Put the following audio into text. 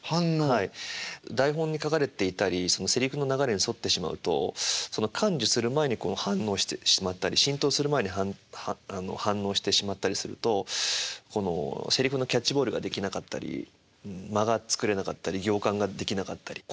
台本に書かれていたりセリフの流れに沿ってしまうと感受する前に反応してしまったり浸透する前に反応してしまったりするとセリフのキャッチボールができなかったり間が作れなかったり行間ができなかったり。